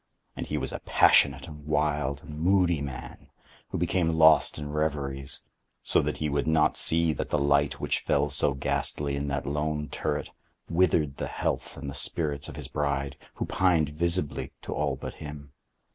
And he was a passionate, and wild, and moody man, who became lost in reveries; so that he would not see that the light which fell so ghastly in that lone turret withered the health and the spirits of his bride, who pined visibly to all but him.